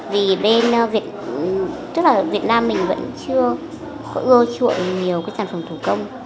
vì bên việt nam mình vẫn chưa ưa chuộng nhiều cái sản phẩm thủ công